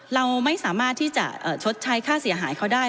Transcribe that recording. เราไม่สามารถที่จะชดใช้ค่าเสียหายเขาได้